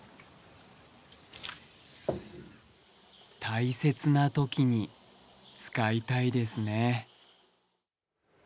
大切なときに使いたいですね。